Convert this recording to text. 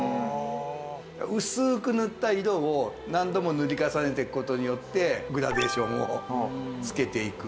薄く塗った色を何度も塗り重ねていく事によってグラデーションをつけていく。